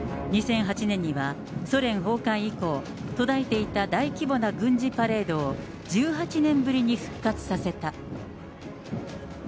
２００８年には、ソ連崩壊以降、途絶えていた大規模な軍事パレードを１８年ぶりに復活させた。